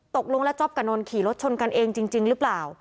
ตกลงแล้วจ๊อปกับนนทขี่รถชนกันเองจริงหรือเปล่า